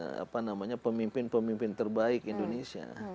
bagi upaya menjaring apa namanya pemimpin pemimpin terbaik indonesia